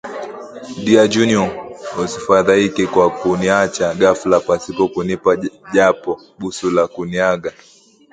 Dear Junior, usifadhaike kwa kuniacha ghafla pasipo kunipa japo busu la kuniaga